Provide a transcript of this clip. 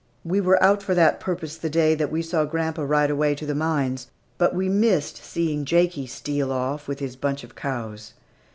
We were out for that purpose the day that we saw grandpa ride away to the mines, but we missed seeing Jakie steal off, with his bunch of cows.